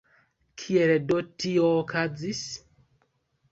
Kiel do tio okazis?